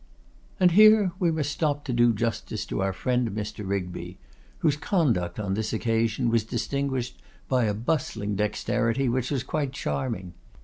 And here we must stop to do justice to our friend Mr. Rigby, whose conduct on this occasion was distinguished by a bustling dexterity which was quite charming.